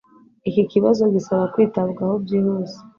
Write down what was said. Iki kibazo gisaba kwitabwaho byihuse.